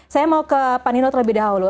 saya mau ke panino terlebih dahulu